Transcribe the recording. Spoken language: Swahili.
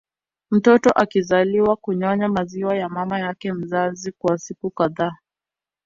Mtoto akizaliwa hunyonya maziwa ya mama yake mzazi kwa siku kadhaa